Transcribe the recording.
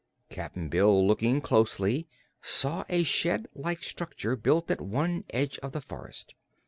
Cap'n Bill, looking closely, saw a shed like structure built at one edge of the forest.